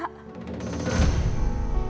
dia udah buat kita menderita